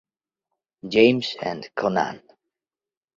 James and Konnan.